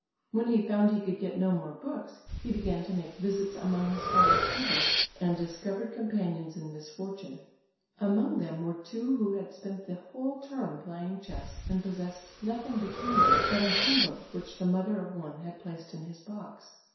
When he found he could get no more books, he began to make visits among his fellow students and discovered companions in misfortune. Among them were two who had spent the whole term playing chess and possessed nothing between them but a hymn book which the mother of one had placed in his box.